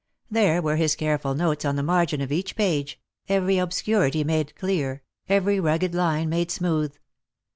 There were his careful notes on the margin of each page, every obscurity made clear, every rugged line made smooth.